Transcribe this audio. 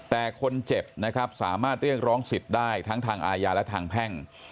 แต่คนเจ็บนะครับสามารถเรียกร้องสิทธิ์ได้ทั้งทางอาญาและทางแพ่ง